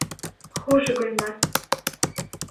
Хуш, Гөлназ!